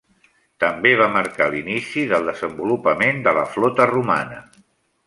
També va marcar l'inici del desenvolupament de la flota Romana.